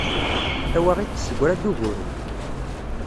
Tawaɣit tessegra-d uguren.